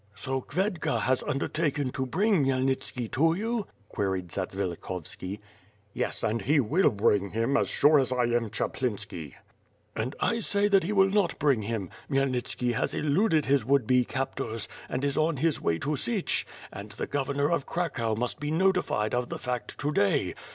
"So Khvedka has undertaken to bring Khmyelnitski to you?'' queried Zatsvilikhovski. "Yes, and he will bring him, as sure as I am Chaplinski.^' "And I say that he will not bring him — Khmyelnitski has eluded his would be captors, and is on his way to Sich, and the Governor of Cracow must be notified of the fact to day.